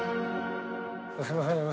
すみません